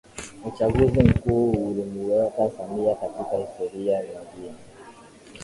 Uchaguzi mkuu ulimuweka Samia katika historia nyingine